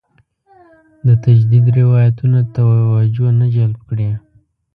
د تجدید روایتونه توجه نه جلب کړې.